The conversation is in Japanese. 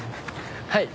はい。